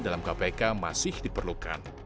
dalam kpk masih diperlukan